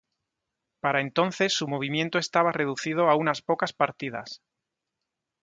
Para entonces su movimiento estaba reducido a unas pocas partidas.